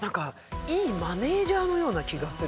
いいマネージャーのような気がする。